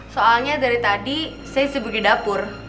soalnya dari tadi saya sebut di dapur